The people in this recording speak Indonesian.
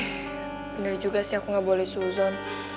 eh bener juga sih aku gak boleh seuson